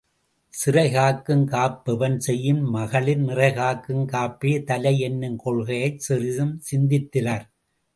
சிறை காக்கும் காப்பெவன் செய்யும் மகளிர் நிறைகாக்கும் காப்பே தலை என்னும் கொள்கையைச் சிறிதும் சிந்தித்திலர்.